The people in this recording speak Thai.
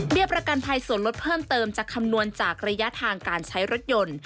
ประกันภัยส่วนลดเพิ่มเติมจะคำนวณจากระยะทางการใช้รถยนต์